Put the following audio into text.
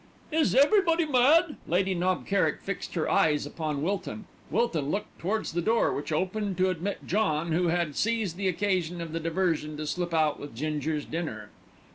"Is everybody mad?" Lady Knob Kerrick fixed her eyes upon Wilton. Wilton looked towards the door, which opened to admit John, who had seized the occasion of the diversion to slip out with Ginger's dinner.